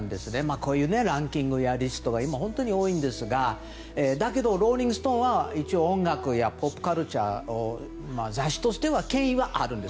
こういうランキングやリストが本当に多いんですがだけど「ローリング・ストーン」は一応、音楽やポップカルチャーの雑誌としては権威はあるんです。